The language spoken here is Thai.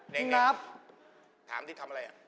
แน่เห็นมั้ยถามที่ทำอะไร